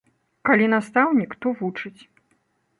Калі настаўнік, то вучыць.